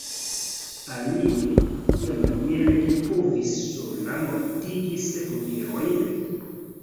Alie, kiamaniere li povis sola mortigi sep virojn?